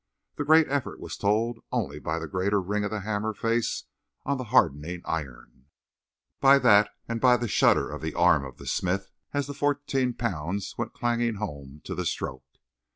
The greater effort was told only by the greater ring of the hammer face on the hardening iron by that and by the shudder of the arm of the smith as the fourteen pounds went clanging home to the stroke.